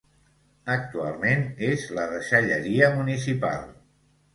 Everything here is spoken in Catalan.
Actualment és la deixalleria municipal.